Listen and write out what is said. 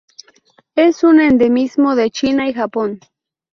Es un endemismo de China y Japón.